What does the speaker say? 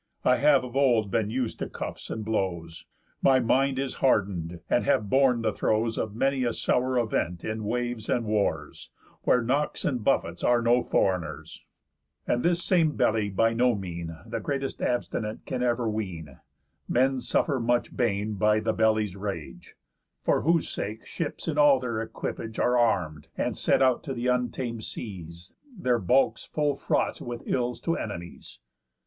I have of old been us'd to cuffs and blows; My mind is harden'd, having borne the throes Of many a sour event in waves and wars, Where knocks and buffets are no foreigners. And this same harmful belly by no mean The greatest abstinent can ever wean. Men suffer much bane by the belly's rage; For whose sake ships in all their equipage Are arm'd, and set out to th' untamed seas, Their bulks full fraught with ills to enemies."